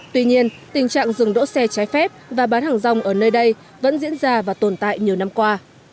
tuy nhiên tình trạng dừng đỗ xe trái phép và bán hàng rong ở nơi đây vẫn diễn ra và tồn tại nhiều năm qua